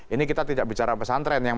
ini kita tidak bicara pesantren yang